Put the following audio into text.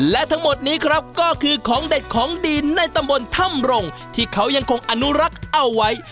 และทั้งหมดนี้ครับก็คือของเด็ดของดีในตำบลถ้ำรงที่เขายังคงอนุรักษ์เอาไว้